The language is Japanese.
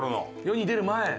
世に出る前。